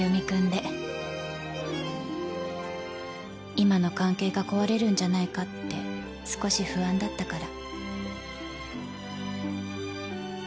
今の関係が壊れるんじゃないかって少し不安だったから